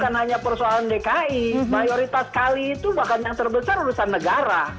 bukan hanya persoalan dki mayoritas kali itu bahkan yang terbesar urusan negara